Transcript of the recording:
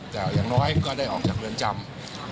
แต่อย่างน้อยก็ได้ออกจากเรือนจำ